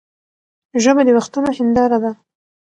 ژبه د وختونو هنداره ده.